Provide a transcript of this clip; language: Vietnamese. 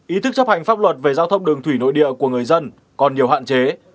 ý thức chấp hành pháp luật về giao thông đường thủy nội địa của người dân còn nhiều hạn chế